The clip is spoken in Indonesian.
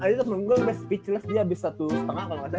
speechless dia abis satu setengah